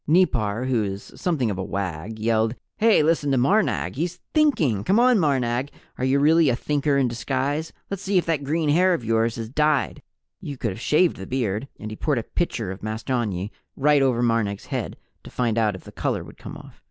Nipar, who is something of a wag, yelled: "Hey, listen to Marnag he's Thinking! Come on, Marnag, are you really a Thinker in disguise? Let's see if that green hair of yours is dyed you could have shaved the beard!" And he poured a pitcher of mastonyi right over Marnag's head to find out if the color would come off.